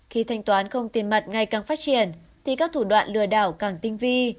khi thanh toán không tiền mặt ngày càng phát triển thì các thủ đoạn lừa đảo càng tinh vi